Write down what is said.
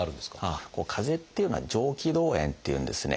かぜっていうのは「上気道炎」っていうんですね。